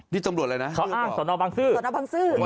นี่ตำรวจอะไรนะเค้าอ้างสนบังซื้อสนบังซื้อ